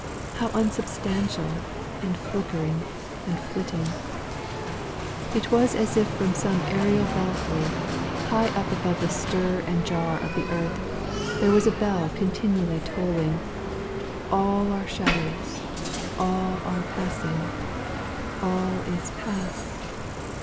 How unsubstantial, and flickering, and flitting! It was as if from some aërial belfry, high up above the stir and jar of the earth, there was a bell continually tolling, "All are shadows! all are passing! all is past!"